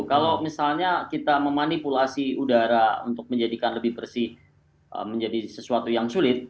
kalau misalnya kita memanipulasi udara untuk menjadikan lebih bersih menjadi sesuatu yang sulit